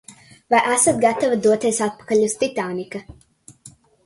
Vai esat gatava doties atpakaļ uz Titānika?